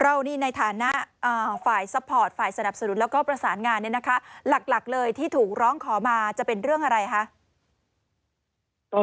ในฐานะฝ่ายซัพพอร์ตฝ่ายสนับสนุนแล้วก็ประสานงานเนี่ยนะคะหลักเลยที่ถูกร้องขอมาจะเป็นเรื่องอะไรคะ